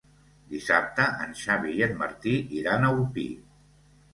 Dissabte en Xavi i en Martí iran a Orpí.